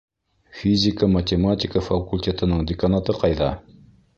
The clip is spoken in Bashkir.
Физика-математика факультетының деканаты ҡайҙа?